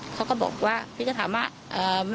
เขาก็บอกว่าพี่จะถามว่า